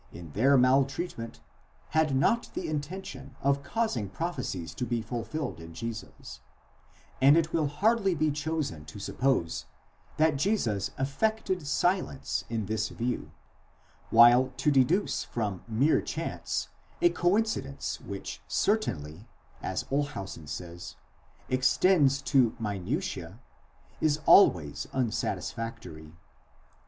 in their maltreatment had not the intention of causing prophecies to be ful filled in Jesus ; and it will hardly be chosen to suppose that Jesus affected silence with this view; while to deduce from mere chance a coincidence which certainly, as Olshausen says, extends to minutiz, is always unsatis factory.